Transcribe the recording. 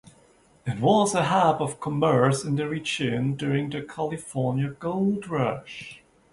It was a hub of commerce in the region during the California Gold Rush.